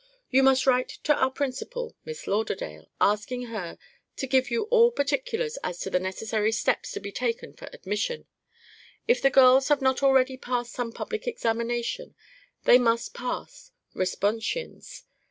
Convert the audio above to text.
You must write to our principal, Miss Lauderdale, asking her to give you all particulars as to the necessary steps to be taken for admission. If the girls have not already passed some public examination, they must pass Responsions.